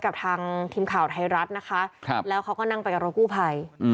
กับทางทีมข่าวไทยรัฐนะคะแล้วเขาก็นั่งไปกับรถกู้ภัย